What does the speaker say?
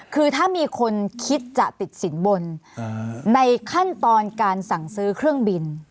คือถ้ามีคนคิดจะติดสินบนในขั้นตอนการสั่งซื้อเครื่องบิน